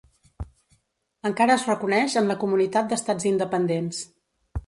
Encara es reconeix en la Comunitat d'Estats Independents.